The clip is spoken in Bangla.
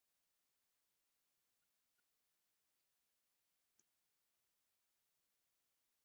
এর ফলে সময়ের হিসাব জটিল হয়ে পড়ে, সভা, ভ্রমণ, রেকর্ড সংরক্ষণ, মেডিকেল যন্ত্রপাতি, ভারি জিনিসপত্র ও ঘুমের ধারার ব্যাঘাত ঘটে।